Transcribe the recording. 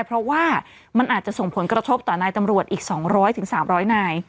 เพราะว่ามันอาจจะส่งผลกระทบต่อนายตำรวจอีก๒๐๐๓๐๐นาย